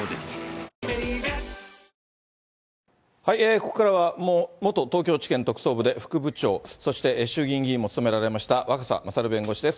ここからは、元東京地検特捜部で副部長、そして衆議院議員も務められました若狭勝弁護士です。